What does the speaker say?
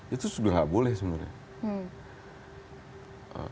itu sudah tidak boleh sebenarnya